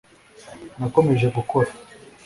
nakomeje gukora